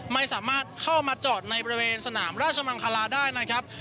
ไม่สามารถเข้ามาจอดในบริเวณสนามราชมังคลาได้นะครับ